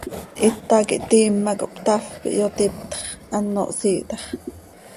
Hita quih tiim ma, cohptafp, ihyotiptx, ano hsiih tax.